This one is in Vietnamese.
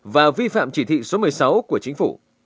và vi phạm chỉ thị số một mươi sáu của chính phủ